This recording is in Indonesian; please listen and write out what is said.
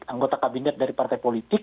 anggota kabinet dari partai politik